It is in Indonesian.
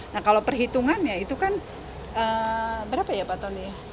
nah kalau perhitungannya itu kan berapa ya pak tony